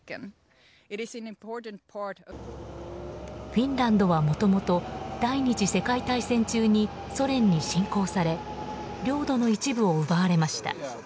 フィンランドはもともと第２次世界大戦中にソ連に侵攻され領土の一部を奪われました。